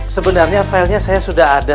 sebenarnya filenya saya sudah ada